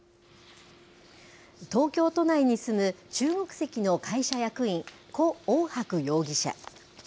東京都内に住む中国籍の会社役員、胡奥博容疑者。